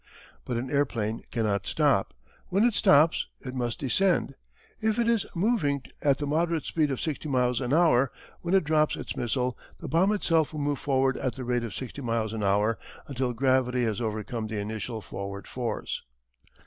But an airplane cannot stop. When it stops it must descend. If it is moving at the moderate speed of sixty miles an hour when it drops its missile, the bomb itself will move forward at the rate of sixty miles an hour until gravity has overcome the initial forward force.